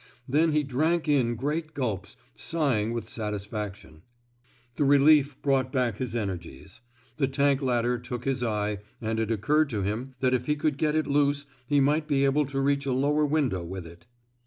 Then he drank in great gulps, sighing with satisfaction. The relief brought back his energies. The tank ladder took his eye, and it occurred to 207 THE SMOKE EATEES him that if he could get it loose he might be able to reach a lower window with it.